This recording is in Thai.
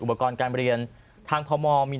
อุปกรณ์การเรียนทางพมมี